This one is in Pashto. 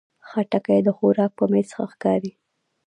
خټکی د خوراک په میز ښه ښکاري.